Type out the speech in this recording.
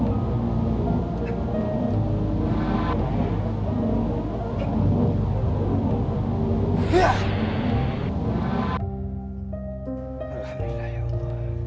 alhamdulillah ya allah